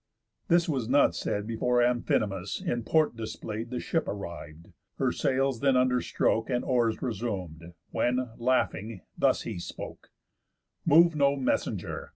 This was not said Before Amphinomus in port display'd The ship arriv'd, her sails then under stroke, And oars resum'd; when, laughing, thus he spoke: "Move for no messenger.